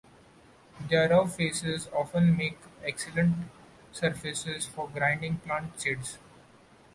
Their rough faces often make excellent surfaces for grinding plant seeds.